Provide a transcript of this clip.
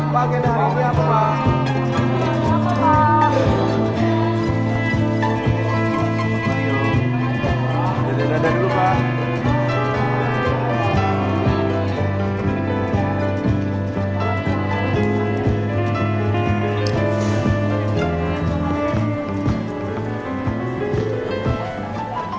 pak mario kita punya tadi dikit